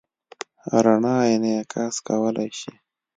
رڼا انعکاس کولی شي.